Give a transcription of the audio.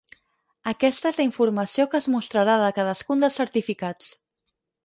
Aquesta és la informació que es mostrarà de cadascun dels certificats.